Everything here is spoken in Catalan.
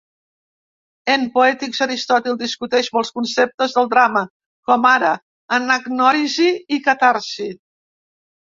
En "Poetics", Aristòtil discuteix molts conceptes del drama, com ara anagnòrisi i catarsi.